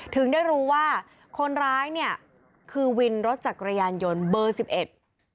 ถึงได้รู้ว่าคนร้ายเนี่ยคือวินรถจักรยานยนต์เบอร์สิบเอ็ด